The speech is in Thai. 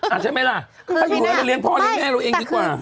ใช่ไหมล่ะถ้าอยู่แล้วเราเลี้ยพ่อเลี้ยแม่เราเองดีกว่า